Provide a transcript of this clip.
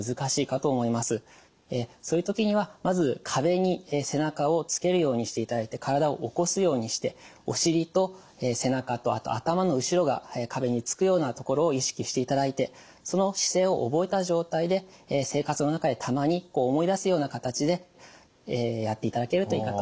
そういう時にはまず壁に背中をつけるようにしていただいて体を起こすようにしてお尻と背中とあと頭の後ろが壁につくようなところを意識していただいてその姿勢を覚えた状態で生活の中でたまに思い出すような形でやっていただけるといいかと思います。